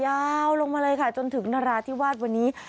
ยาวลงมาเลยค่ะจนถึงนราธิวาสวันนี้